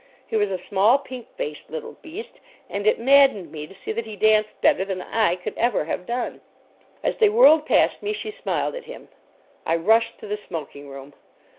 He was a small, pink faced little beast, and it maddened me to see that he danced better than I could ever have done. As they whirled past me she smiled at him. I rushed to the smoking room.